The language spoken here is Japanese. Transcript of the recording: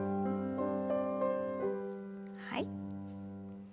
はい。